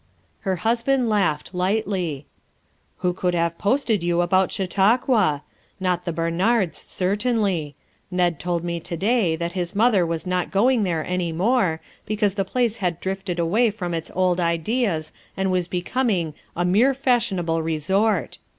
Her husband laughed lightly. "Who could have posted you about Chautauqua? Not the Barnards certainly. Ned told me to day that his mother was not going there any more be cause the place had drifted away from its old ideas and was becoming ' a mere fashionable re sort.'